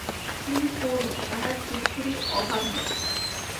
তিনি পূর্ণ, তাঁহার কিছুরই অভাব নাই।